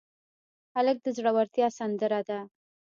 هلک د زړورتیا سندره ده.